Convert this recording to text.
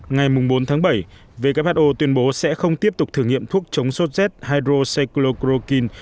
ngày bốn tháng bảy who tuyên bố sẽ không tiếp tục thử nghiệm thuốc chống sốt z hidrosecologrokin